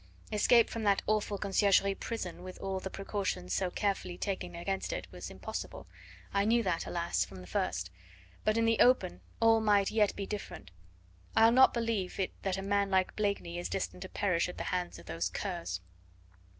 Escape from that awful Conciergerie prison with all the precautions so carefully taken against it was impossible. I knew that alas! from the first. But in the open all might yet be different. I'll not believe it that a man like Blakeney is destined to perish at the hands of those curs."